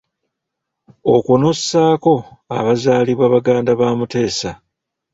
Okwo n'ossaako abaazaalibwa baganda ba Mutesa.